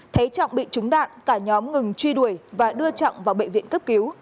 thấy trọng bị trúng đạn cả nhóm ngừng truy đuổi và đưa trọng vào bệnh viện cấp cứu